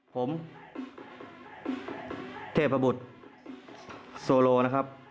ผมเทพบุตรโซโลนะครับ